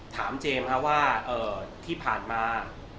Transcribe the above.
เจมส์ครับว่าที่ผ่านมา